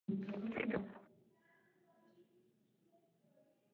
V krystalické formě byly popsány čtyři různé formy.